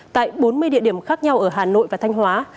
tại bốn mươi địa điểm khác nhau ở hà nội và thanh hóa